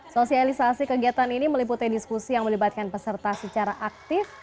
sosialisasi kegiatan ini meliputi diskusi yang melibatkan peserta secara aktif